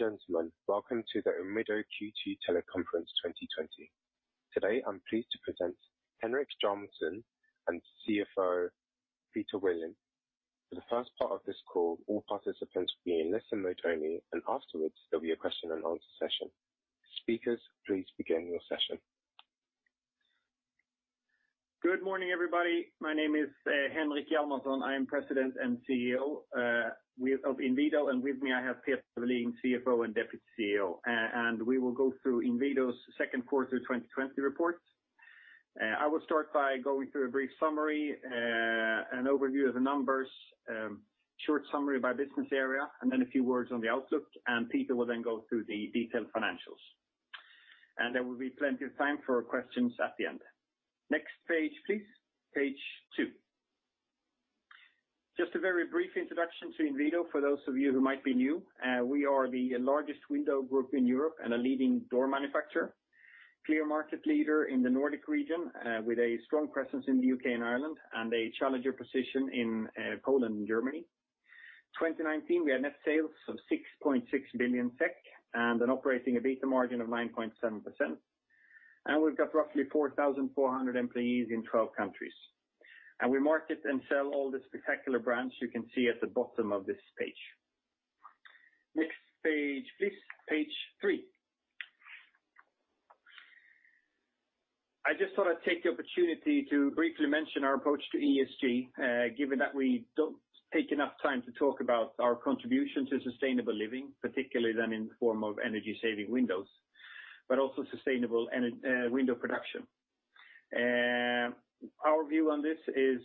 Ladies and gentlemen, welcome to the Inwido Q2 Teleconference 2020. Today, I'm pleased to present Henrik Hjalmarsson and CFO Peter Welin. For the first part of this call, all participants will be in listen mode only, and afterwards, there'll be a question and answer session. Speakers, please begin your session. Good morning, everybody. My name is Henrik Hjalmarsson. I am President and CEO of Inwido. With me, I have Peter Welin, CFO and Deputy CEO. We will go through Inwido's second quarter 2020 report. I will start by going through a brief summary, an overview of the numbers, short summary by Business Area. A few words on the outlook. Peter will then go through the detailed financials. There will be plenty of time for questions at the end. Next page, please. Page two. Just a very brief introduction to Inwido, for those of you who might be new. We are the largest window group in Europe and a leading door manufacturer. Clear market leader in the Nordic region, with a strong presence in the U.K. and Ireland. A challenger position in Poland and Germany. 2019, we had net sales of 6.6 billion SEK and an operating EBITDA margin of 9.7%. We've got roughly 4,400 employees in 12 countries. We market and sell all the spectacular brands you can see at the bottom of this page. Next page, please. Page three. I just thought I'd take the opportunity to briefly mention our approach to ESG, given that we don't take enough time to talk about our contribution to sustainable living, particularly then in the form of energy-saving windows, but also sustainable window production. Our view on this is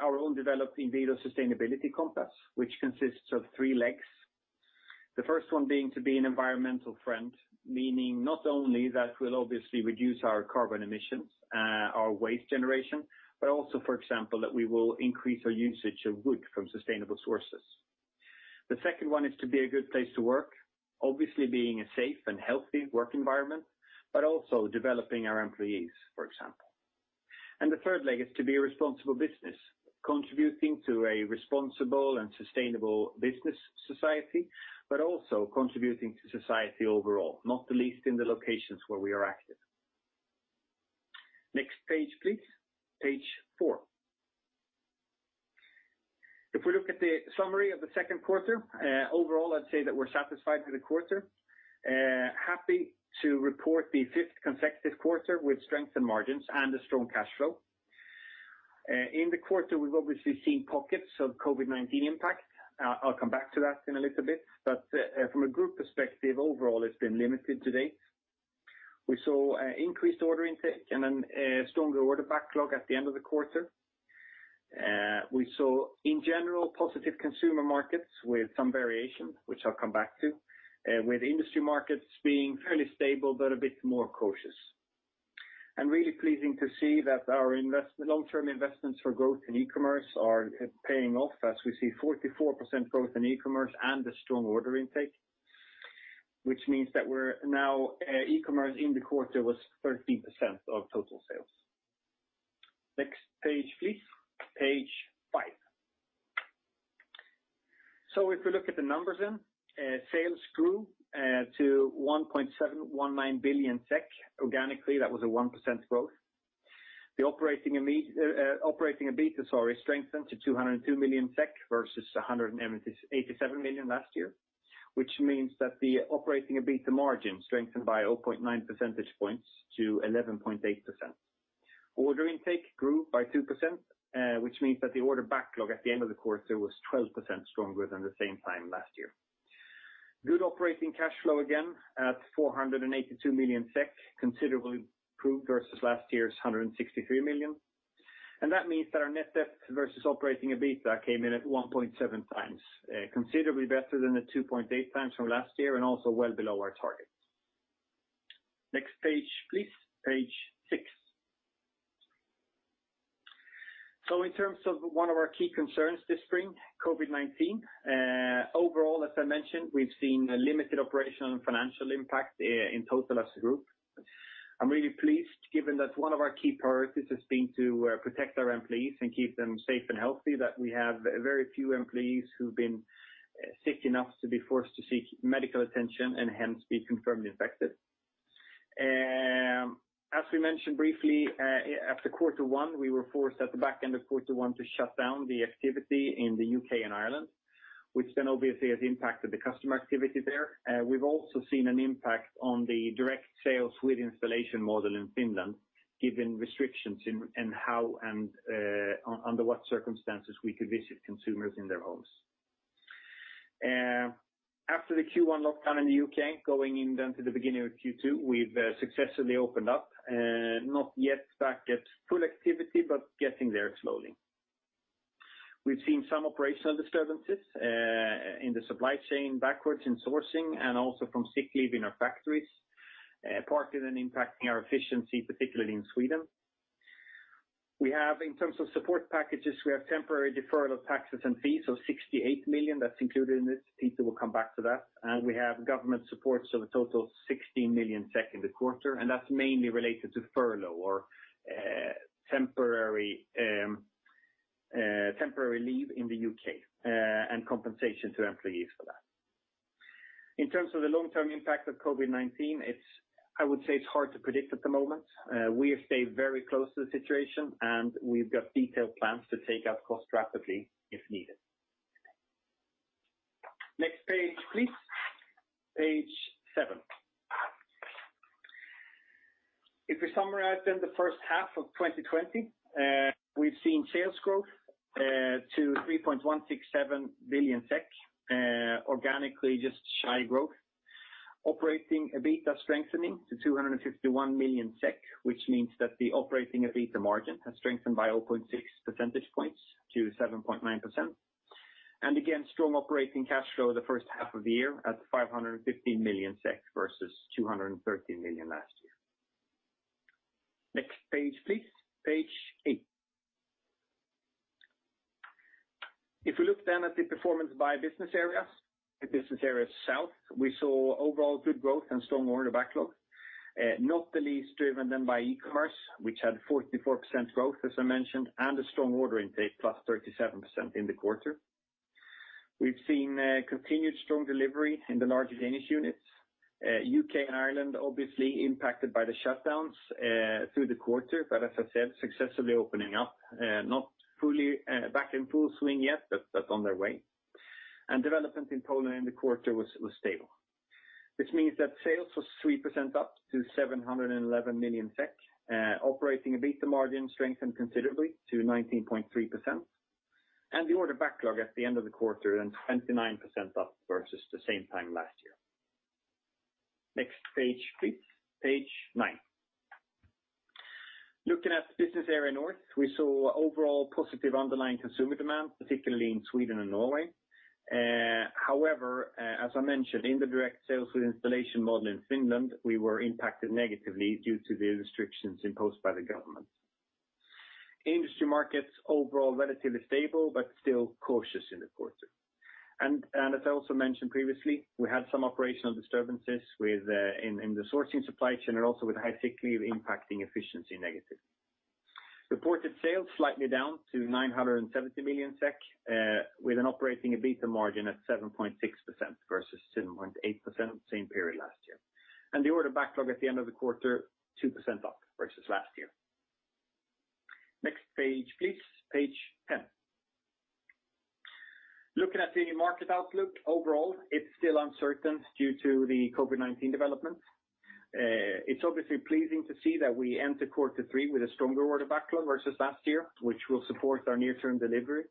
our own developed Inwido sustainability compass, which consists of three legs. The first one being to be an environmental friend, meaning not only that we'll obviously reduce our carbon emissions, our waste generation, but also, for example, that we will increase our usage of wood from sustainable sources. The second one is to be a good place to work, obviously being a safe and healthy work environment, but also developing our employees, for example. The third leg is to be a responsible business, contributing to a responsible and sustainable business society, but also contributing to society overall, not the least in the locations where we are active. Next page, please. Page four. If we look at the summary of the second quarter, overall, I'd say that we're satisfied with the quarter. Happy to report the fifth consecutive quarter with strength in margins and a strong cash flow. In the quarter, we've obviously seen pockets of COVID-19 impact. I'll come back to that in a little bit, but from a group perspective, overall, it's been limited to date. We saw increased order intake and then stronger order backlog at the end of the quarter. We saw, in general, positive consumer markets with some variation, which I'll come back to, with industry markets being fairly stable, but a bit more cautious. Really pleasing to see that our long-term investments for growth in e-commerce are paying off as we see 44% growth in e-commerce and a strong order intake, which means that now e-commerce in the quarter was 13% of total sales. Next page, please. Page five. If we look at the numbers then, sales grew to 1.719 billion SEK organically. That was a 1% growth. The operating EBITDA strengthened to 202 million SEK versus 187 million last year, which means that the operating EBITDA margin strengthened by 0.9 percentage points to 11.8%. Order intake grew by 2%, which means that the order backlog at the end of the quarter was 12% stronger than the same time last year. Good operating cash flow again at 482 million SEK, considerably improved versus last year's 163 million. That means that our net debt versus operating EBITDA came in at 1.7 times, considerably better than the 2.8 times from last year and also well below our target. Next page, please. Page six. In terms of one of our key concerns this spring, COVID-19, overall, as I mentioned, we've seen a limited operational and financial impact in total as a group. I'm really pleased, given that one of our key priorities has been to protect our employees and keep them safe and healthy, that we have very few employees who've been sick enough to be forced to seek medical attention and hence be confirmed infected. As we mentioned briefly after quarter one, we were forced at the back end of quarter one to shut down the activity in the U.K. and Ireland, which then obviously has impacted the customer activity there. We've also seen an impact on the direct sales with installation model in Finland, given restrictions in how and under what circumstances we could visit consumers in their homes. After the Q1 lockdown in the U.K., going in then to the beginning of Q2, we've successfully opened up, not yet back at full activity, but getting there slowly. We've seen some operational disturbances in the supply chain backwards in sourcing, and also from sick leave in our factories, partly then impacting our efficiency, particularly in Sweden. In terms of support packages, we have temporary deferral of taxes and fees of 68 million. That's included in this. Peter will come back to that. We have government supports of a total 16 million SEK in the quarter, and that's mainly related to furlough or temporary leave in the U.K., and compensation to employees for that. In terms of the long-term impact of COVID-19, I would say it's hard to predict at the moment. We have stayed very close to the situation, and we've got detailed plans to take out costs rapidly if needed. Next page, please. Page seven. If we summarize then the first half of 2020, we've seen sales growth to 3.167 billion SEK, organically just shy growth. Operating EBITDA strengthening to 251 million SEK, which means that the operating EBITDA margin has strengthened by 0.6 percentage points to 7.9%. Again, strong operating cash flow the first half of the year at 515 million SEK versus 230 million last year. Next page, please. Page eight. If we look at the performance by business areas. Business Area South, we saw overall good growth and strong order backlog. Not the least driven by e-commerce, which had 44% growth, as I mentioned, and a strong order intake, +37% in the quarter. We've seen continued strong delivery in the larger Danish units. U.K. and Ireland obviously impacted by the shutdowns through the quarter, as I said, successfully opening up. Not back in full swing yet, that's on their way. Development in Poland in the quarter was stable. Which means that sales was 3% up to 711 million SEK. Operating EBITDA margin strengthened considerably to 19.3%. The order backlog at the end of the quarter 29% up versus the same time last year. Next page, please. Page nine. Looking at the Business Area North, we saw overall positive underlying consumer demand, particularly in Sweden and Norway. However, as I mentioned, in the direct sales with installation model in Finland, we were impacted negatively due to the restrictions imposed by the government. Industry markets overall relatively stable but still cautious in the quarter. As I also mentioned previously, we had some operational disturbances in the sourcing supply chain and also with high sick leave impacting efficiency negative. Reported sales slightly down to 970 million SEK, with an operating EBITDA margin at 7.6% versus 7.8% same period last year. The order backlog at the end of the quarter, 2% up versus last year. Next page, please. Page 10. Looking at the market outlook overall, it's still uncertain due to the COVID-19 development. It's obviously pleasing to see that we enter quarter three with a stronger order backlog versus last year, which will support our near-term delivery.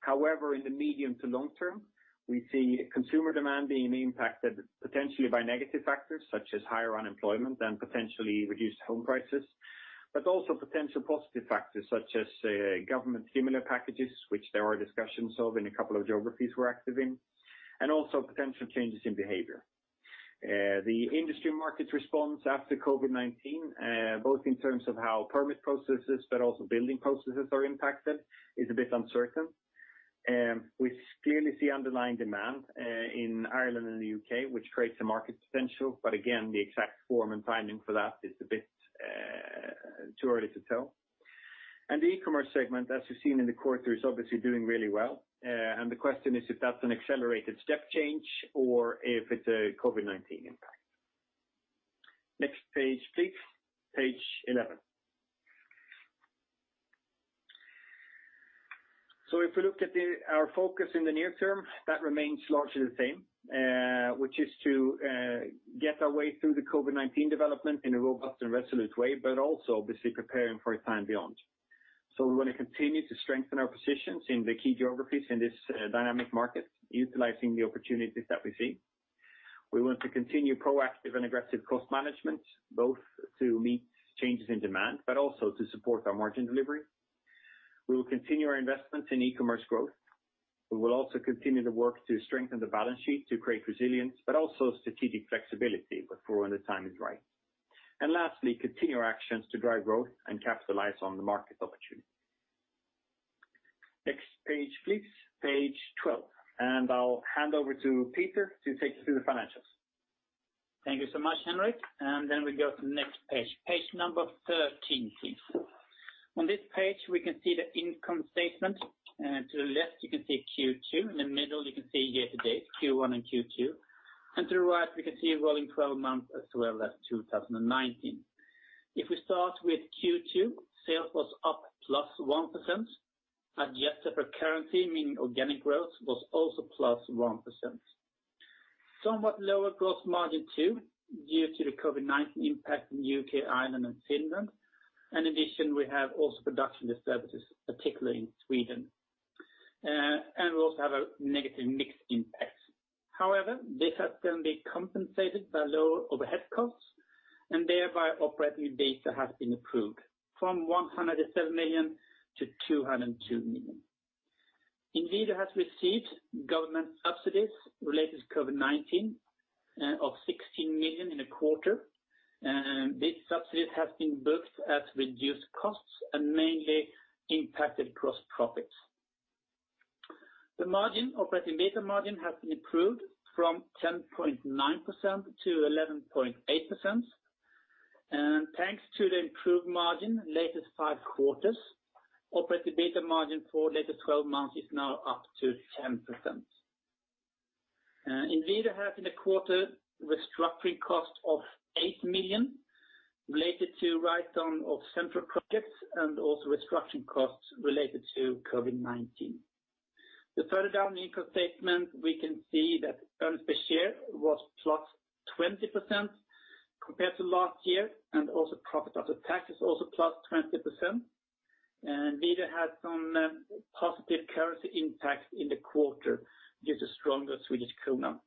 However, in the medium to long term, we see consumer demand being impacted potentially by negative factors such as higher unemployment and potentially reduced home prices, but also potential positive factors such as government stimuli packages, which there are discussions of in a couple of geographies we're active in, and also potential changes in behavior. The industry market response after COVID-19, both in terms of how permit processes but also building processes are impacted, is a bit uncertain. We clearly see underlying demand in Ireland and the U.K., which creates a market potential, but again, the exact form and timing for that is a bit too early to tell. The e-commerce segment, as you've seen in the quarter, is obviously doing really well. The question is if that's an accelerated step change or if it's a COVID-19 impact. Next page, please. Page 11. If we look at our focus in the near term, that remains largely the same, which is to get our way through the COVID-19 development in a robust and resolute way, but also obviously preparing for a time beyond. We want to continue to strengthen our positions in the key geographies in this dynamic market, utilizing the opportunities that we see. We want to continue proactive and aggressive cost management, both to meet changes in demand, but also to support our margin delivery. We will continue our investment in e-commerce growth. We will also continue to work to strengthen the balance sheet to create resilience, but also strategic flexibility for when the time is right. Lastly, continue our actions to drive growth and capitalize on the market opportunity. Next page, please. Page 12. I'll hand over to Peter to take us through the financials. Thank you so much, Henrik. Then we go to the next page. Page number 13, please. On this page, we can see the income statement. To the left, you can see Q2. In the middle, you can see year to date, Q1 and Q2. To the right, we can see rolling 12 months as well as 2019. If we start with Q2, sales was up +1%. Adjusted for currency, meaning organic growth, was also +1%. Somewhat lower gross margin too, due to the COVID-19 impact in U.K., Ireland, and Finland. In addition, we have also production disturbances, particularly in Sweden. We also have a negative mix impact. This has then been compensated by lower overhead costs, and thereby operating EBITDA has been improved from 107 million to 202 million. Inwido has received government subsidies related to COVID-19 of 16 million in a quarter. These subsidies have been booked at reduced costs and mainly impacted gross profit. The margin, operating EBITDA margin, has improved from 10.9% to 11.8%. Thanks to the improved margin latest five quarters, operating EBITDA margin for latest 12 months is now up to 10%. Inwido has in the quarter restructuring costs of 8 million related to write-down of central projects and also restructuring costs related to COVID-19. Further down the income statement, we can see that earnings per share was +20% compared to last year, and also profit after tax is also +20%. Inwido had some positive currency impact in the quarter due to stronger Swedish krona.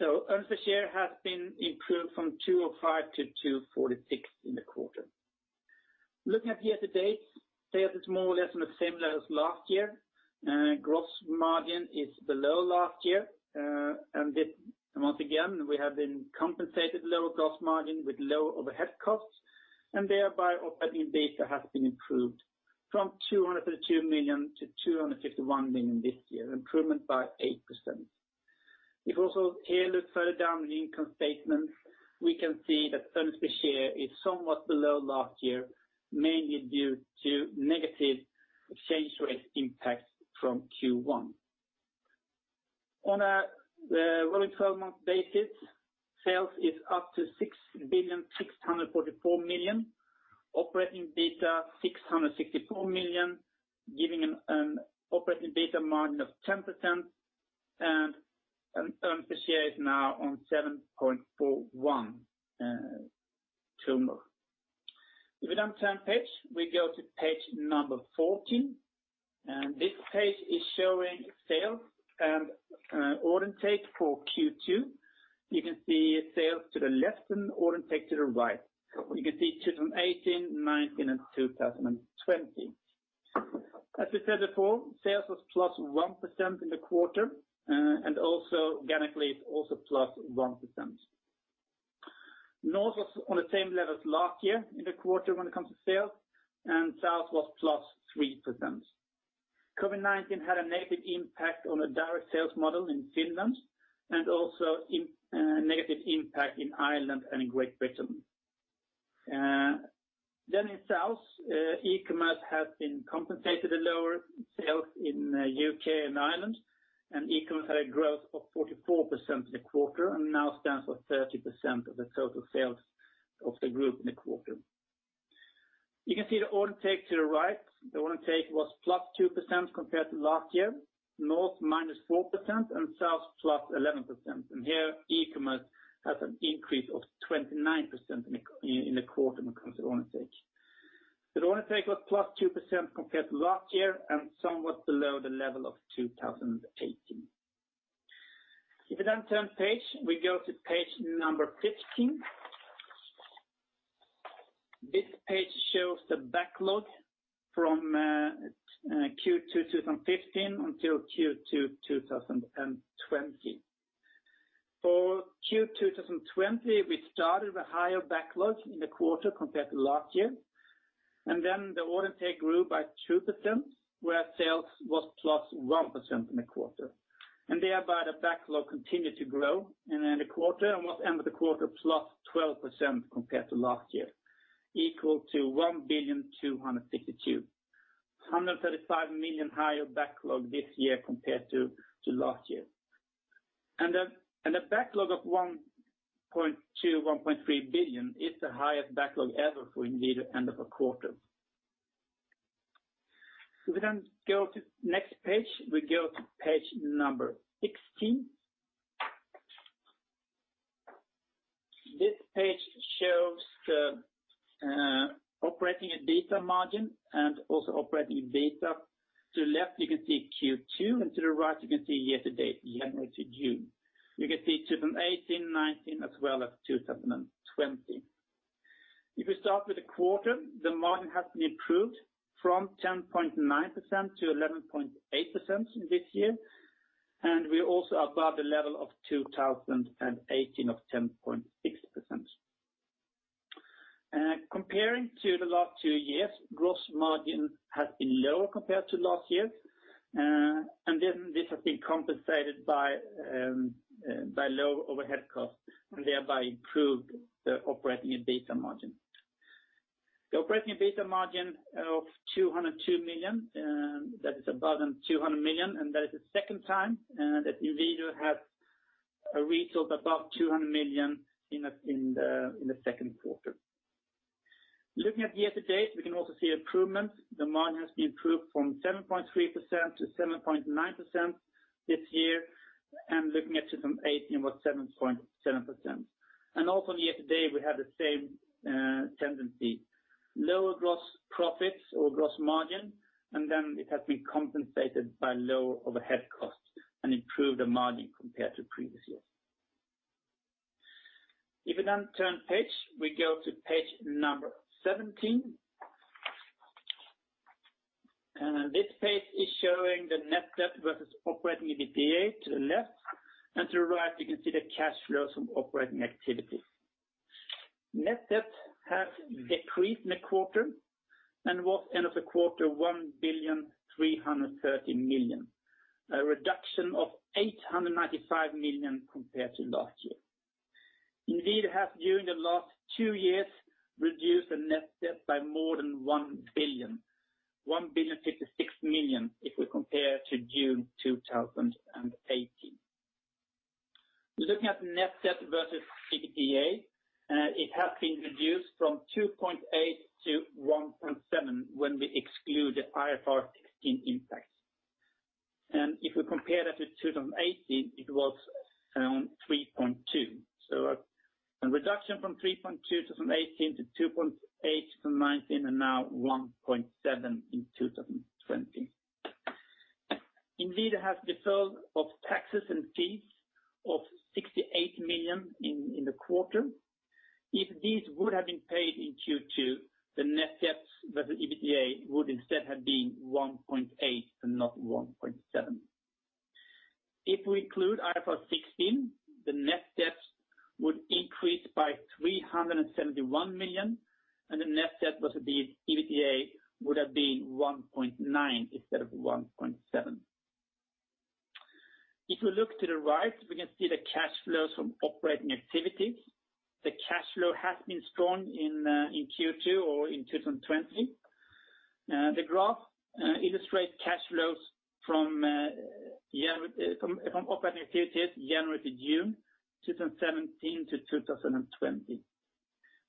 Earnings per share has been improved from 2.05 to 2.46 in the quarter. Looking at year-to-date, sales is more or less on the same level as last year. Gross margin is below last year. Once again, we have been compensated lower gross margin with lower overhead costs, thereby operating EBITDA has been improved from 232 million to 251 million this year, improvement by 8%. If also here look further down the income statement, we can see that earnings per share is somewhat below last year, mainly due to negative exchange rate impact from Q1. On a rolling 12-month basis, sales is up to 6,644 million. Operating EBITDA, 664 million, giving an operating EBITDA margin of 10%, and earnings per share is now on 7.41. If we then turn page, we go to page number 14, and this page is showing sales and order take for Q2. You can see sales to the left and order take to the right. You can see 2018, 2019, and 2020. As we said before, sales was +1% in the quarter. Also organically, it's also +1%. North was on the same level as last year in the quarter when it comes to sales. South was +3%. COVID-19 had a negative impact on the direct sales model in Finland. Also negative impact in Ireland and in Great Britain. In South, e-commerce has been compensated the lower sales in U.K. and Ireland. E-commerce had a growth of 44% in the quarter and now stands for 13% of the total sales of the group in the quarter. You can see the order take to the right. The order take was +2% compared to last year, North -4% and South +11%. Here, e-commerce has an increase of 29% in the quarter when it comes to order take. The order take was plus 2% compared to last year and somewhat below the level of 2018. If we turn page, we go to page 15. This page shows the backlog from Q2 2015 until Q2 2020. For Q2 2020, we started with higher backlogs in the quarter compared to last year, then the order take grew by 2%, where sales was plus 1% in the quarter. Thereby, the backlog continued to grow in the quarter and was end of the quarter plus 12% compared to last year, equal to 1 billion 262. 135 million higher backlog this year compared to last year. A backlog of 1.2 billion-1.3 billion is the highest backlog ever for Inwido end of a quarter. If we go to next page, we go to page 16. This page shows the operating EBITDA margin and also operating EBITDA. To the left, you can see Q2, and to the right, you can see year-to-date, January to June. You can see 2018, 2019, as well as 2020. If we start with the quarter, the margin has been improved from 10.9% to 11.8% in this year, and we're also above the level of 2018 of 10.6%. Comparing to the last two years, gross margin has been lower compared to last year. This has been compensated by low overhead costs and thereby improved the operating EBITDA margin. The operating EBITDA margin of 202 million, that is above 200 million. That is the second time that Inwido have a result above 200 million in the second quarter. Looking at year-to-date, we can also see improvements. The margin has been improved from 7.3% to 7.9% this year. Looking at 2018 was 7.7%. Also on year-to-date, we have the same tendency. Lower gross profits or gross margin, and then it has been compensated by lower overhead costs and improved the margin compared to previous years. If we then turn page, we go to page number 17. This page is showing the net debt versus operating EBITDA to the left, and to the right, you can see the cash flows from operating activity. Net debt has decreased in the quarter and was end of the quarter 1.33 billion, a reduction of 895 million compared to last year. Inwido has, during the last two years, reduced the net debt by more than 1 billion, 1.056 billion if we compare to June 2018. Looking at net debt versus EBITDA, it has been reduced from 2.8 to 1.7 when we exclude the IFRS 16 impact. If we compare that to 2018, it was around 3.2. A reduction from 3.2 2018 to 2.8 2019, and now 1.7 in 2020. Inwido has deferral of taxes and fees of 68 million in the quarter. If these would have been paid in Q2, the net debts versus the EBITDA would instead have been 1.8 and not 1.7. If we include IFRS 16, the net debts would increase by 371 million, and the net debt versus the EBITDA would have been 1.9 instead of 1.7. If we look to the right, we can see the cash flows from operating activities. The cash flow has been strong in Q2 or in 2020. The graph illustrates cash flows from operating activities, January to June 2017 to 2020.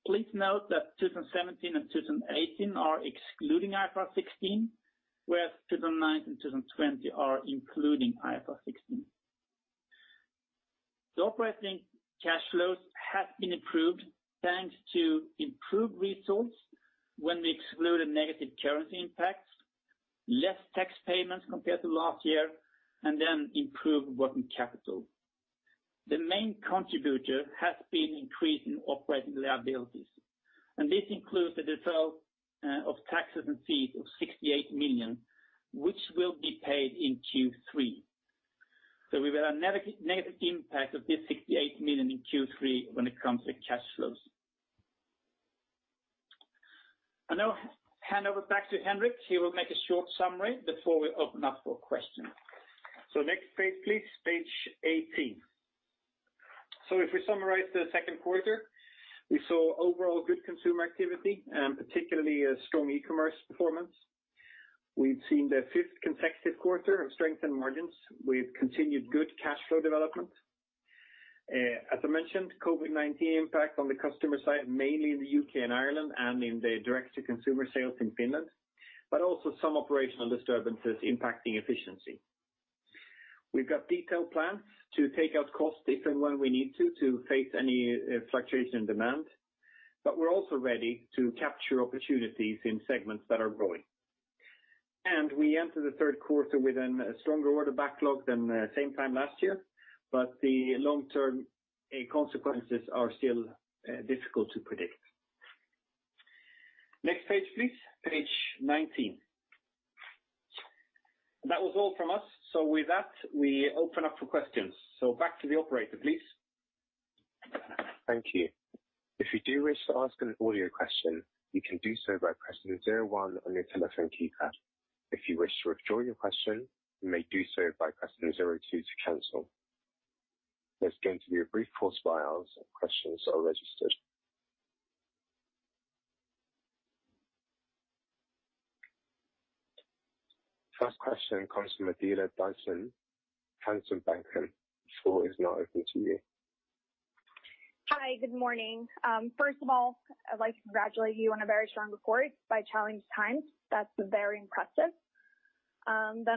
Please note that 2017 and 2018 are excluding IFRS 16, whereas 2019 and 2020 are including IFRS 16. The operating cash flows have been improved thanks to improved results when we exclude the negative currency impacts, less tax payments compared to last year, and then improved working capital. The main contributor has been increase in operating liabilities, and this includes the deferral of taxes and fees of 68 million, which will be paid in Q3. We've had a negative impact of this 68 million in Q3 when it comes to cash flows. I now hand over back to Henrik. He will make a short summary before we open up for questions. Next page, please. Page 18. If we summarize the second quarter, we saw overall good consumer activity, and particularly a strong e-commerce performance. We've seen the fifth consecutive quarter of strength in margins with continued good cash flow development. As I mentioned, COVID-19 impact on the customer side, mainly in the U.K. and Ireland and in the direct-to-consumer sales in Finland, but also some operational disturbances impacting efficiency. We've got detailed plans to take out costs if and when we need to to face any fluctuation in demand, but we're also ready to capture opportunities in segments that are growing. We enter the third quarter with a stronger order backlog than same time last year, but the long-term consequences are still difficult to predict. Next page, please. Page 19. That was all from us. With that, we open up for questions. Back to the operator, please. Thank you. If you do wish to ask an audio question, you can do so by pressing 01 on your telephone keypad. If you wish to withdraw your question, you may do so by pressing 02 to cancel. There's going to be a brief pause while questions are registered. First question comes from Adela Dashian, Handelsbanken. The floor is now open to you. Hi. Good morning. First of all, I'd like to congratulate you on a very strong report by challenged times. That's very impressive.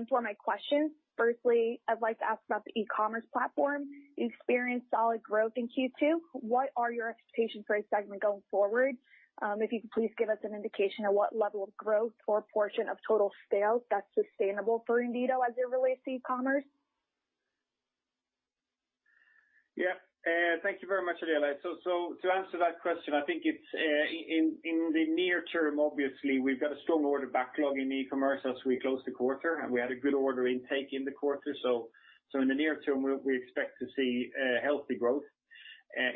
For my questions, firstly, I'd like to ask about the e-commerce platform. You experienced solid growth in Q2. What are your expectations for this segment going forward? If you could please give us an indication of what level of growth or portion of total sales that's sustainable for Inwido as it relates to e-commerce? Yeah. Thank you very much, Adela. To answer that question, I think in the near term, obviously, we've got a strong order backlog in e-commerce as we close the quarter, and we had a good order intake in the quarter. In the near term, we expect to see healthy growth.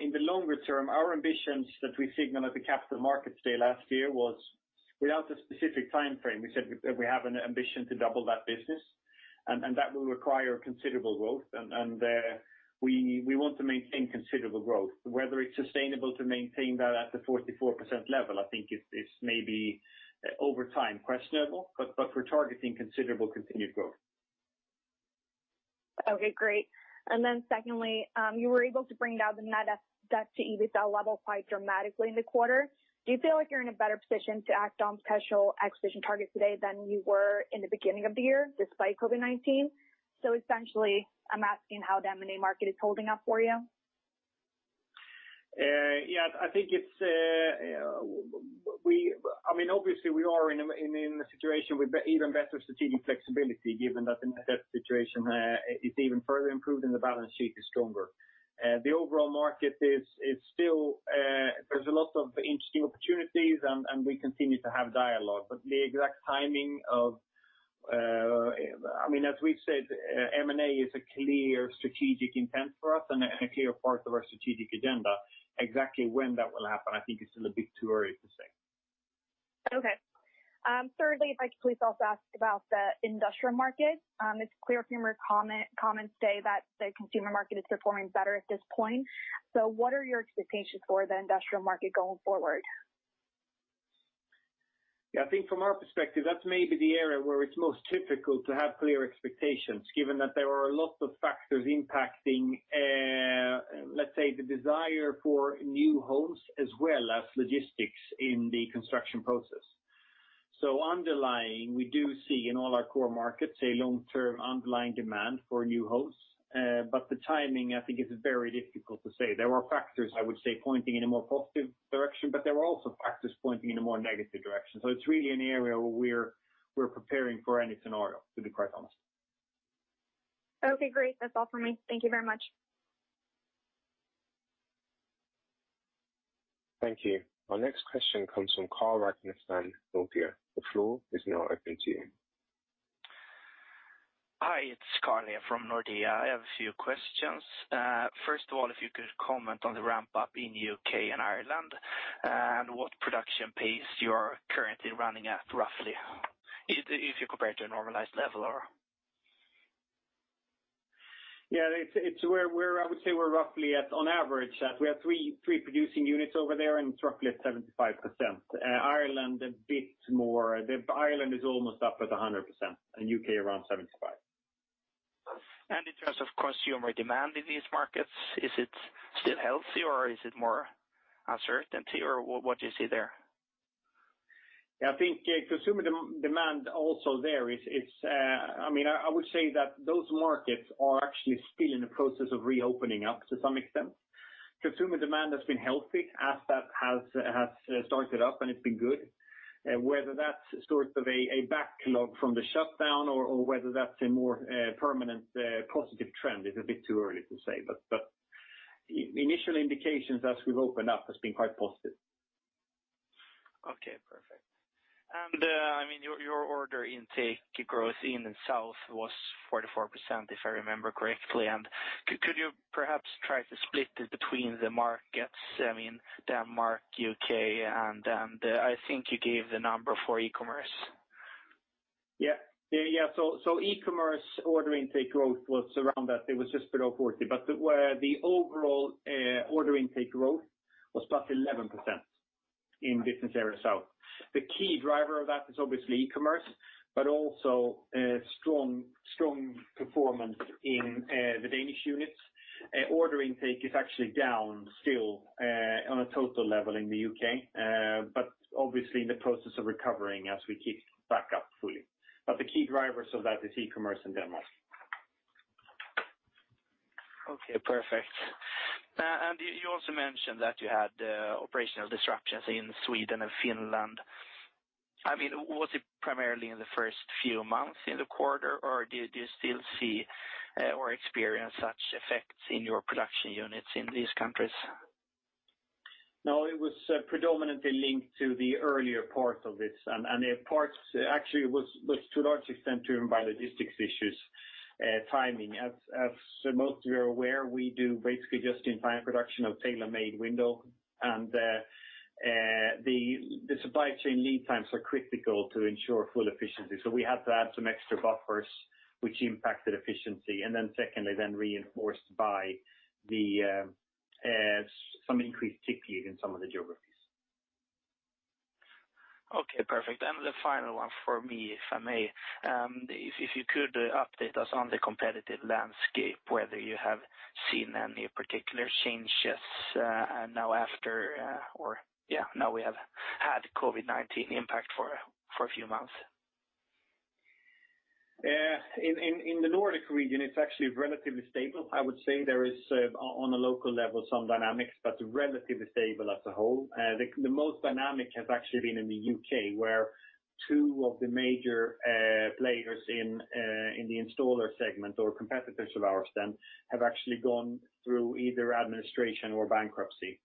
In the longer term, our ambitions that we signaled at the Capital Markets Day last year was without a specific timeframe. We said we have an ambition to double that business, and that will require considerable growth. We want to maintain considerable growth. Whether it's sustainable to maintain that at the 44% level, I think it's maybe over time questionable, but we're targeting considerable continued growth. Okay, great. Secondly, you were able to bring down the net debt to EBITDA level quite dramatically in the quarter. Do you feel like you're in a better position to act on potential acquisition targets today than you were in the beginning of the year, despite COVID-19? Essentially, I'm asking how the M&A market is holding up for you. Yeah. Obviously, we are in a situation with even better strategic flexibility given that the net debt situation is even further improved and the balance sheet is stronger. There's a lot of interesting opportunities, and we continue to have dialogue, but the exact timing of, as we've said, M&A is a clear strategic intent for us and a clear part of our strategic agenda. Exactly when that will happen, I think it's a little bit too early to say. Okay. Thirdly, if I could please also ask about the industrial market? It's clear from your comments today that the consumer market is performing better at this point. What are your expectations for the industrial market going forward? I think from our perspective, that's maybe the area where it's most difficult to have clear expectations, given that there are a lot of factors impacting, let's say, the desire for new homes, as well as logistics in the construction process. Underlying, we do see in all our core markets a long-term underlying demand for new homes. The timing, I think is very difficult to say. There are factors, I would say, pointing in a more positive direction, but there are also factors pointing in a more negative direction. It's really an area where we're preparing for any scenario, to be quite honest. Okay, great. That's all for me. Thank you very much. Thank you. Our next question comes from Karl Vikén of Nordea. The floor is now open to you. Hi, it's Karl from Nordea. I have a few questions. First of all, if you could comment on the ramp-up in U.K. and Ireland, and what production pace you are currently running at roughly, if you compare it to a normalized level or? Yeah. I would say we're roughly at, on average, we have three producing units over there, and it's roughly at 75%. Ireland a bit more. Ireland is almost up at 100%, and U.K. around 75%. In terms of consumer demand in these markets, is it still healthy or is it more uncertainty, or what do you see there? Yeah, I think consumer demand also I would say that those markets are actually still in the process of reopening up to some extent. Consumer demand has been healthy as that has started up and it's been good. Whether that's sort of a backlog from the shutdown or whether that's a more permanent positive trend is a bit too early to say. Initial indications as we've opened up has been quite positive. Okay, perfect. Your order intake growth in the South was 44%, if I remember correctly. Could you perhaps try to split it between the markets, Denmark, U.K., and I think you gave the number for e-commerce. E-commerce order intake growth was around that. It was just below 40. The overall order intake growth was +11% in Business Area South. The key driver of that is obviously e-commerce, but also strong performance in the Danish units. Order intake is actually down still on a total level in the U.K., but obviously in the process of recovering as we kick back up fully. The key drivers of that is e-commerce in Denmark. Okay, perfect. You also mentioned that you had operational disruptions in Sweden and Finland. Was it primarily in the first few months in the quarter, or do you still see or experience such effects in your production units in these countries? No, it was predominantly linked to the earlier part of this. Parts actually was to a large extent driven by logistics issues, timing. As most of you are aware, we do basically just-in-time production of tailor-made window, and the supply chain lead times are critical to ensure full efficiency. We had to add some extra buffers, which impacted efficiency, and then secondly, then reinforced by some increased sick leave in some of the geographies. Okay, perfect. The final one for me, if I may. If you could update us on the competitive landscape, whether you have seen any particular changes now after or now we have had COVID-19 impact for a few months. In the Nordic region, it's actually relatively stable. I would say there is, on a local level, some dynamics, but relatively stable as a whole. The most dynamic has actually been in the U.K., where two of the major players in the installer segment or competitors of ours then have actually gone through either administration or bankruptcy,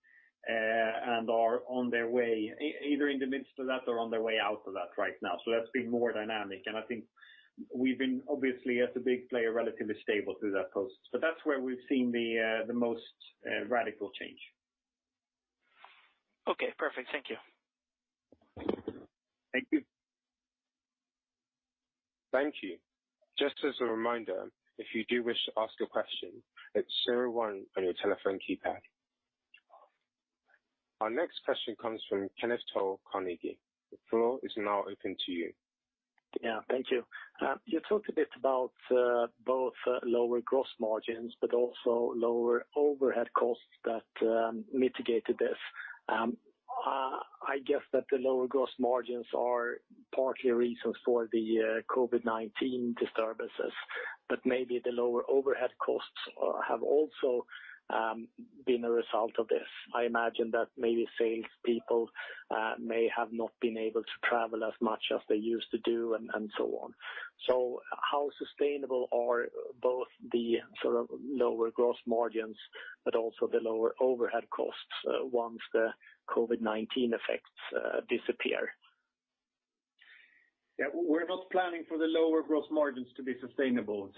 and are on their way, either in the midst of that or on their way out of that right now. That's been more dynamic, and I think we've been obviously as a big player, relatively stable through that process. That's where we've seen the most radical change. Okay, perfect. Thank you. Thank you. Thank you. Just as a reminder, if you do wish to ask a question, it is 01 on your telephone keypad. Our next question comes from Kenneth Toll of Carnegie. The floor is now open to you. Yeah. Thank you. You talked a bit about both lower gross margins, also lower overhead costs that mitigated this. I guess that the lower gross margins are partly a reason for the COVID-19 disturbances, maybe the lower overhead costs have also been a result of this. I imagine that maybe salespeople may have not been able to travel as much as they used to do and so on. How sustainable are both the lower gross margins but also the lower overhead costs once the COVID-19 effects disappear? We're not planning for the lower gross margins to be sustainable.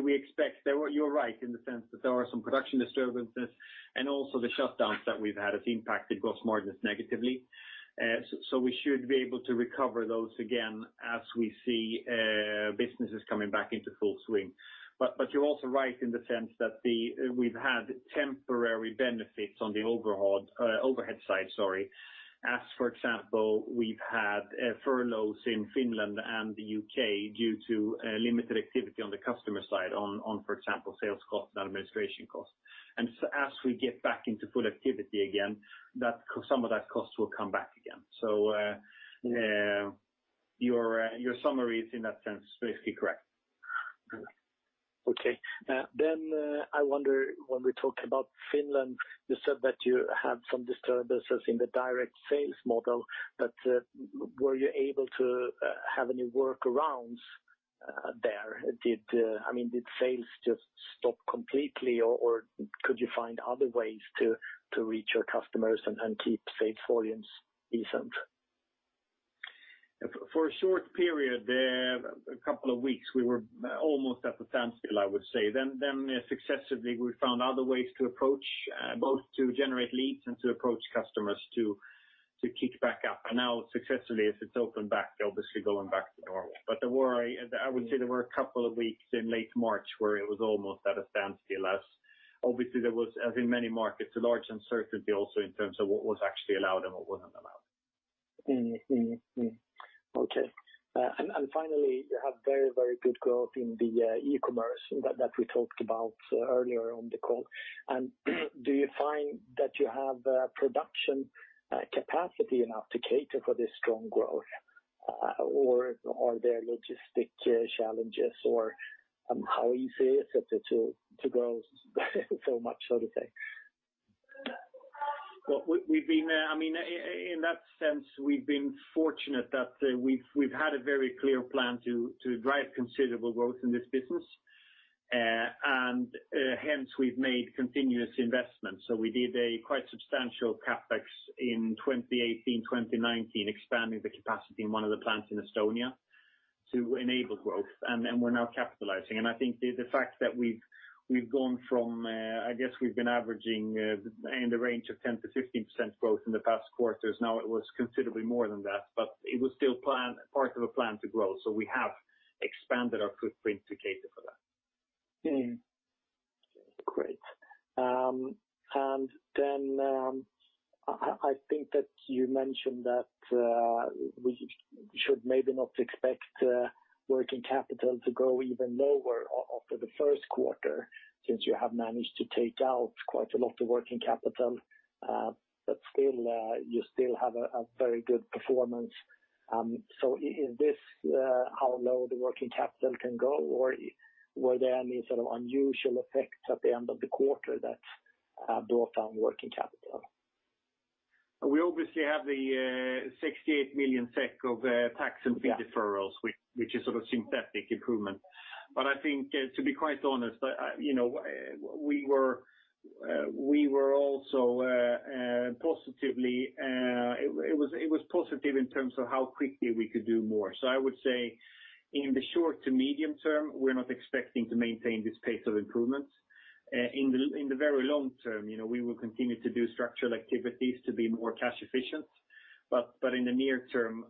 We expect that you're right in the sense that there are some production disturbances and also the shutdowns that we've had have impacted gross margins negatively. We should be able to recover those again as we see businesses coming back into full swing. You're also right in the sense that we've had temporary benefits on the overhead side, as for example, we've had furloughs in Finland and the U.K. due to limited activity on the customer side on, for example, sales costs and administration costs. As we get back into full activity again, some of that cost will come back again. Your summary is in that sense basically correct. Okay. I wonder when we talk about Finland, you said that you had some disturbances in the direct sales model, but were you able to have any workarounds there? Did sales just stop completely or could you find other ways to reach your customers and keep sales volumes decent? For a short period there, a couple of weeks, we were almost at a standstill, I would say. Successively, we found other ways to approach, both to generate leads and to approach customers to kick back up. Now successively, as it's opened back, they're obviously going back to normal. I would say there were a couple of weeks in late March where it was almost at a standstill as obviously there was, as in many markets, a large uncertainty also in terms of what was actually allowed and what wasn't allowed. Okay. Finally, you have very, very good growth in the e-commerce that we talked about earlier on the call. Do you find that you have production capacity enough to cater for this strong growth? Are there logistic challenges, or how easy is it to grow so much, so to say? In that sense, we've been fortunate that we've had a very clear plan to drive considerable growth in this business. Hence we've made continuous investments. We did a quite substantial CapEx in 2018, 2019, expanding the capacity in one of the plants in Estonia to enable growth, and we're now capitalizing. I think the fact that we've gone from, I guess we've been averaging in the range of 10%-15% growth in the past quarters. Now it was considerably more than that, but it was still part of a plan to grow. We have expanded our footprint to cater for that. Great. Then, I think that you mentioned that we should maybe not expect working capital to go even lower after the first quarter, since you have managed to take out quite a lot of working capital. Still, you still have a very good performance. Is this how low the working capital can go, or were there any sort of unusual effects at the end of the quarter that brought down working capital? We obviously have the 68 million SEK of tax and fee deferrals, which is sort of synthetic improvement. I think, to be quite honest, it was positive in terms of how quickly we could do more. I would say in the short to medium term, we're not expecting to maintain this pace of improvement. In the very long term, we will continue to do structural activities to be more cash efficient, but in the near term,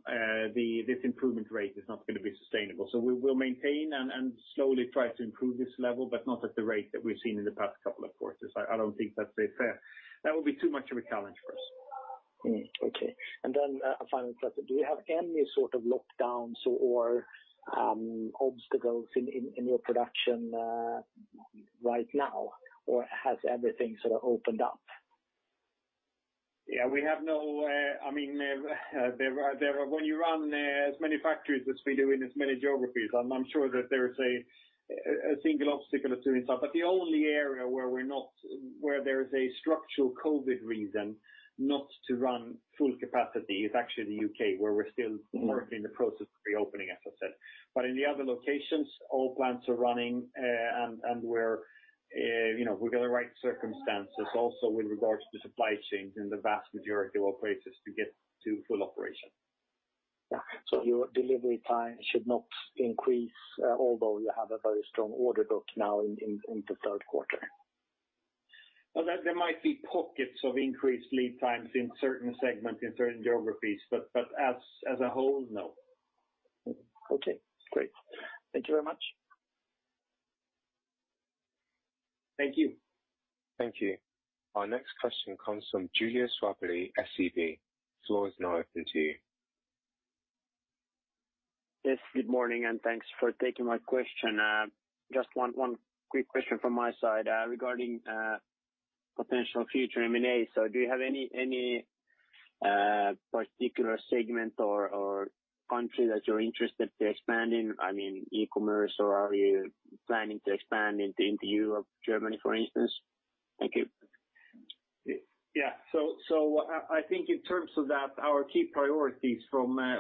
this improvement rate is not going to be sustainable. We will maintain and slowly try to improve this level, but not at the rate that we've seen in the past couple of quarters. I don't think that would be too much of a challenge for us. Okay. A final question. Do you have any sort of lockdowns or obstacles in your production right now, or has everything sort of opened up? Yeah. The only area where there is a structural COVID-19 reason not to run full capacity is actually the U.K., where we're still working the process of reopening, as I said. In the other locations, all plants are running, and we're going to right circumstances also with regards to supply chains in the vast majority of our places to get to full operation. Your delivery time should not increase, although you have a very strong order book now in the third quarter? There might be pockets of increased lead times in certain segments, in certain geographies, but as a whole, no. Okay, great. Thank you very much. Thank you. Thank you. Our next question comes from Julius Verbelis, SEB. The floor is now open to you. Yes, good morning, and thanks for taking my question. Just one quick question from my side regarding potential future M&A. Do you have any particular segment or country that you're interested to expand in? E-commerce, or are you planning to expand into Europe, Germany, for instance? Thank you. Yeah. I think in terms of that, our key priorities from our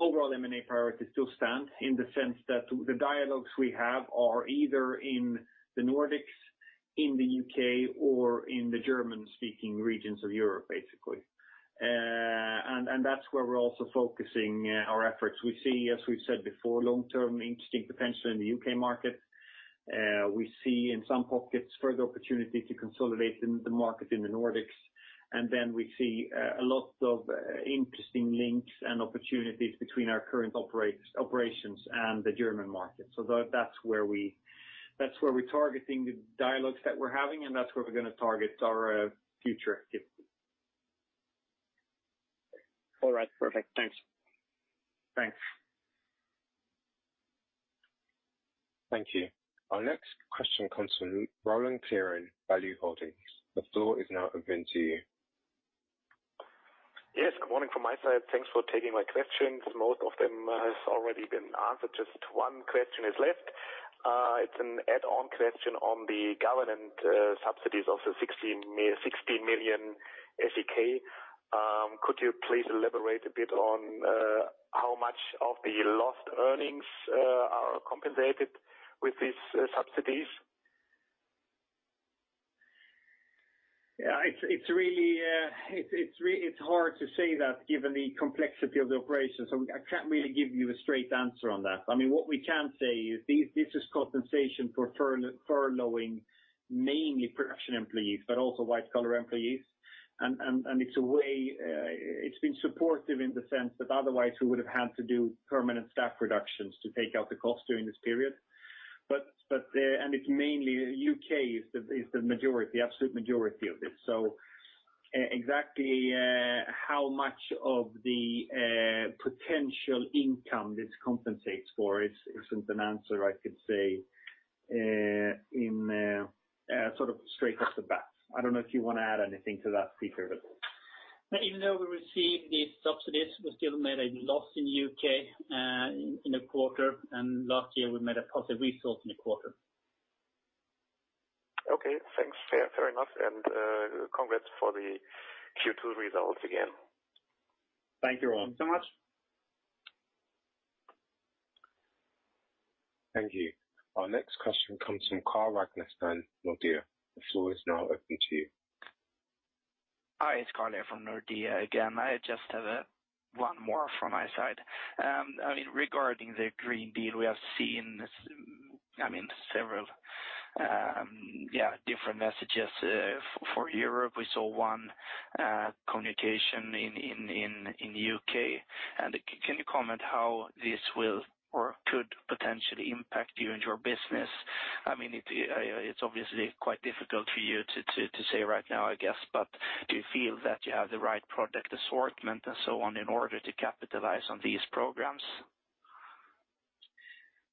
overall M&A priorities still stand in the sense that the dialogues we have are either in the Nordics, in the U.K., or in the German-speaking regions of Europe, basically. That's where we're also focusing our efforts. We see, as we've said before, long-term interesting potential in the U.K. market. We see in some pockets further opportunity to consolidate in the market in the Nordics, and then we see a lot of interesting links and opportunities between our current operations and the German market. That's where we're targeting the dialogues that we're having, and that's where we're going to target our future activity. All right, perfect. Thanks. Thanks. Thank you. Our next question comes from Roland Tjeerdsma, Value Holdings. The floor is now open to you. Yes, good morning from my side. Thanks for taking my questions. Most of them has already been answered. Just one question is left. It's an add-on question on the government subsidies of the 16 million SEK. Could you please elaborate a bit on how much of the lost earnings are compensated with these subsidies? It's hard to say that given the complexity of the operation, so I can't really give you a straight answer on that. What we can say is this is compensation for furloughing mainly production employees, but also white-collar employees. It's been supportive in the sense that otherwise we would have had to do permanent staff reductions to take out the cost during this period. It's mainly U.K. is the absolute majority of it. Exactly how much of the potential income this compensates for isn't an answer I could say in straight off the bat. I don't know if you want to add anything to that, Peter. Even though we received these subsidies, we still made a loss in the U.K. in the quarter, and last year we made a positive result in the quarter. Okay, thanks. Fair enough. Congrats for the Q2 results again. Thank you, Roland. Thanks so much. Thank you. Our next question comes from Carl Ragnerstam, Nordea. The floor is now open to you. Hi, it's Karl from Nordea again. I just have one more from my side. Regarding the Green Deal, we have seen several different messages for Europe. We saw one communication in the U.K. Can you comment how this will or could potentially impact you and your business? It's obviously quite difficult for you to say right now, I guess, but do you feel that you have the right product assortment and so on in order to capitalize on these programs?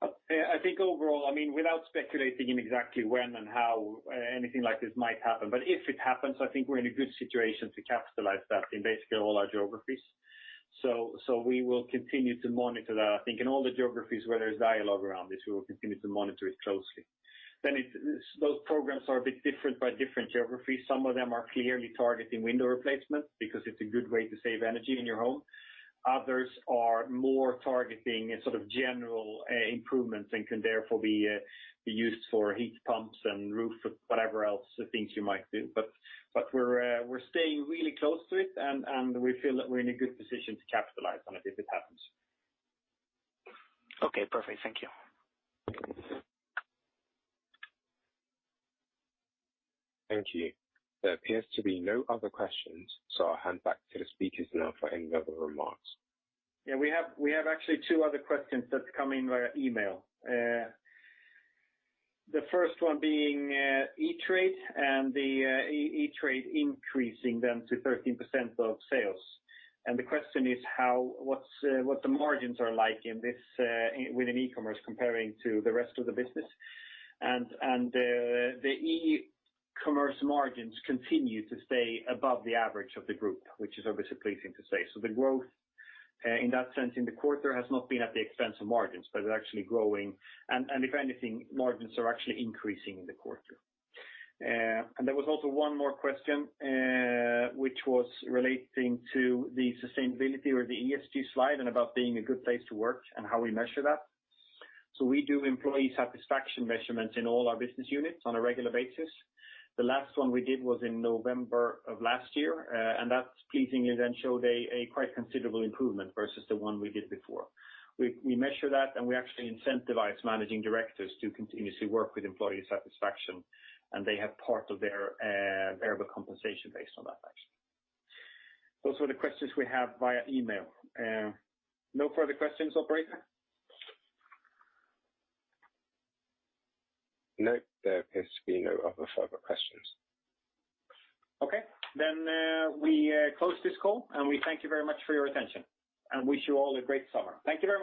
I think overall, without speculating in exactly when and how anything like this might happen, if it happens, I think we're in a good situation to capitalize that in basically all our geographies. We will continue to monitor that. I think in all the geographies where there's dialogue around this, we will continue to monitor it closely. Those programs are a bit different by different geographies. Some of them are clearly targeting window replacement because it's a good way to save energy in your home. Others are more targeting general improvements and can therefore be used for heat pumps and roof, whatever else things you might do. We're staying really close to it, and we feel that we're in a good position to capitalize on it if it happens. Okay, perfect. Thank you. Thank you. There appears to be no other questions. I'll hand back to the speakers now for any other remarks. Yeah, we have actually two other questions that come in via email. The first one being e-commerce and the e-commerce increasing them to 13% of sales. The question is what the margins are like within e-commerce comparing to the rest of the business? The e-commerce margins continue to stay above the average of the group, which is obviously pleasing to say. The growth in that sense in the quarter has not been at the expense of margins, but actually growing. If anything, margins are actually increasing in the quarter. There was also one more question, which was relating to the sustainability or the ESG slide and about being a good place to work and how we measure that. We do employee satisfaction measurements in all our business units on a regular basis. The last one we did was in November of last year, and that's pleasingly then showed a quite considerable improvement versus the one we did before. We measure that, and we actually incentivize managing directors to continuously work with employee satisfaction, and they have part of their variable compensation based on that, actually. Those were the questions we have via email. No further questions, operator? No, there appears to be no other further questions. Okay. We close this call, and we thank you very much for your attention, and wish you all a great summer. Thank you very much